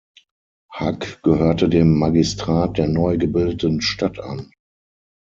Hug gehörte dem Magistrat der neu gebildeten Stadt an.